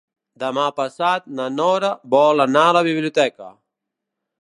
Demà passat na Nora vol anar a la biblioteca.